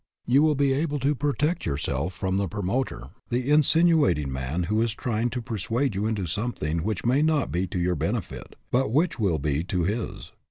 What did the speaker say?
You will be able to protect yourself from the promoter, the insinuating man who is trying to persuade you into something which may not be to your benefit, but which will be to his.